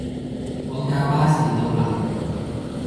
我架巴士到喇